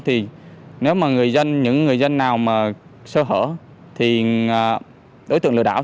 thì nếu mà những người dân nào sơ hở thì đối tượng lừa đảo